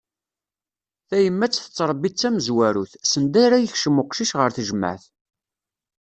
Tayemmat tettrebbi d tamezwarut, send ara yakcem uqcic ɣer tejmeɛt.